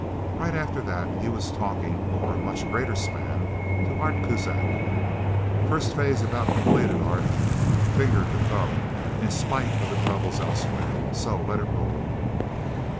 Right after that he was talking, over a much greater span, to Art Kuzak. "First phase about completed, Art... Finger to thumb in spite of the troubles elsewhere. So let it roll...!"